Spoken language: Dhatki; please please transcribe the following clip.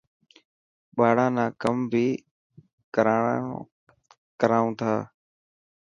ٻاران نا ڪم بهي ڪرائون ٿا.